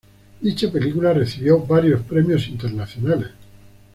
Dicha película recibió varios premios internacionales.